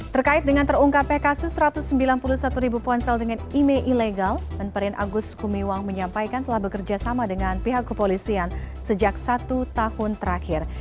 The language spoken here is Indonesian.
terkait dengan terungkapnya kasus satu ratus sembilan puluh satu ribu ponsel dengan email ilegal menteri agus kumiwang menyampaikan telah bekerja sama dengan pihak kepolisian sejak satu tahun terakhir